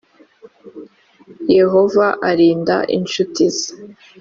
yehova arinda incuti ze